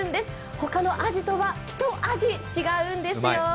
他のあじとはひと味違うんですよ。